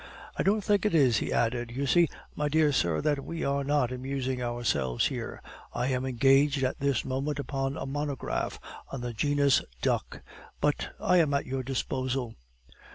"I don't think it is," he added. "You see, my dear sir, that we are not amusing ourselves here. I am engaged at this moment upon a monograph on the genus duck. But I am at your disposal."